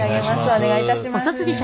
お願いいたします。